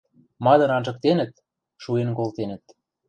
Мадын анжыктенӹт — шуэн колтенӹт.